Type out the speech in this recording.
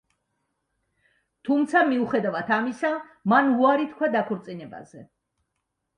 თუმცა, მიუხედავად ამისა, მან უარი თქვა დაქორწინებაზე.